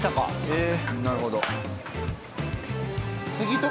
へえ。